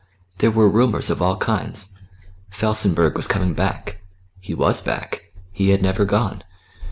There were rumours of all kinds: Felsenburgh was coming back; he was back; he had never gone.